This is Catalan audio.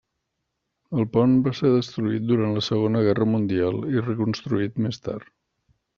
El pont va ser destruït durant la Segona Guerra Mundial i reconstruït més tard.